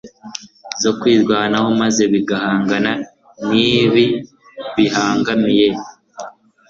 zo kwirwanaho maze bigahangana nibibibangamiye